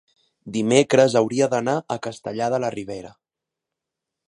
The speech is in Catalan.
dimecres hauria d'anar a Castellar de la Ribera.